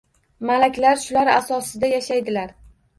Malaklar shular asosida yashaydilar